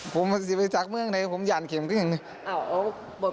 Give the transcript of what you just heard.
ผมสิบริสักเมื่อก่อนไหนผมหย่านเข็มขึ้นอย่างนึง